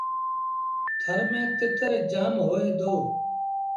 ٿر ميݩ تتر جآم هوئي دو۔